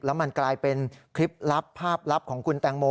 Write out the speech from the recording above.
แล้วมันกลายเป็นคลิปลับภาพลับของคุณแตงโม